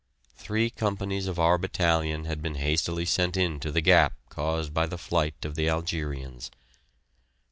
Three companies of our battalion had been hastily sent in to the gap caused by the flight of the Algerians.